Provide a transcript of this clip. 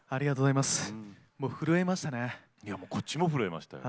いやこっちも震えましたよ。